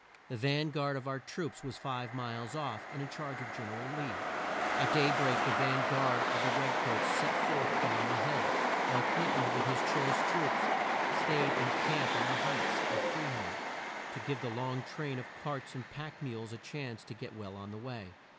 The van guard of our troops was five miles off, and in charge of Gen er al Lee. At day break the van guard of the red coats set forth down the hill, while Clin ton with his choice troops staid in camp on the heights of Free hold, to give the long train of carts and pack mules a chance to get well on the way.